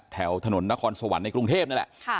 แถวถนนนครสวรรค์ในกรุงเทพนี่แหละ